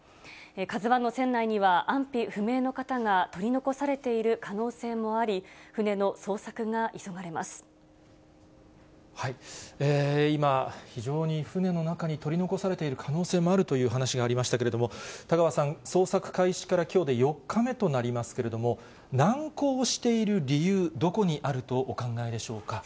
カズワンの船内には安否不明の方が取り残されている可能性もあり、今、非常に船の中に取り残されているという可能性もあるという話もありましたけれども、田川さん、捜索開始からきょうで４日目となりますけれども、難航している理由、どこにあるとお考えでしょうか。